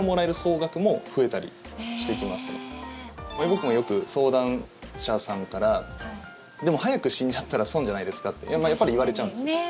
僕もよく、相談者さんからでも、早く死んじゃったら損じゃないですかってやっぱり言われちゃうんです。